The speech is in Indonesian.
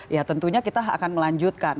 ya tentunya kita akan melanjutkan